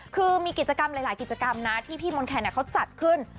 คือมีกิจกรรมหลายหลายกิจกรรมนะที่พี่เมินแคร์อะเขาจัดขึ้น